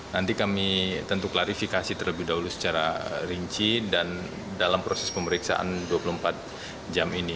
nanti kami tentu klarifikasi terlebih dahulu secara rinci dan dalam proses pemeriksaan dua puluh empat jam ini